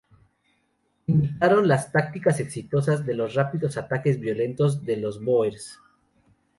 Imitaron las tácticas exitosas de los rápidos ataques violentos de los boers.